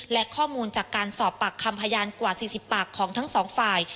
และข้อมูลจากการสอบปากคำพยานกว่า๔๐ปากของทั้งสองฝ่าย